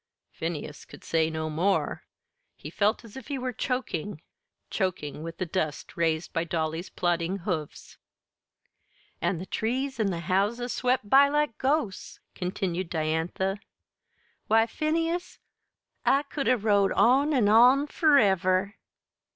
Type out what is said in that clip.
'" Phineas could say no more. He felt as if he were choking, choking with the dust raised by Dolly's plodding hoofs. "An' the trees an' the houses swept by like ghosts," continued Diantha. "Why, Phineas, I could 'a' rode on an' on furever!"